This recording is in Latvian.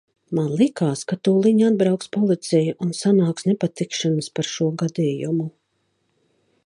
Man likās, ka tūliņ atbrauks policija un sanāks nepatikšanas par šo gadījumu.